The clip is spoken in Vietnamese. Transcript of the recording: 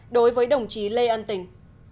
đối với đồng chí lê ân tình